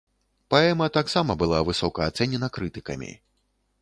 Паэма таксама была высока ацэнена крытыкамі.